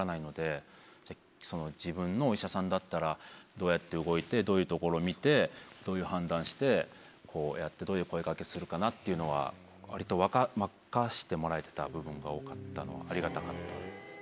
自分のお医者さんだったらどうやって動いてどういうところを診てどういう判断してこうやってどういう声掛けするかなっていうのは割と任せてもらえてた部分が多かったのはありがたかったですね。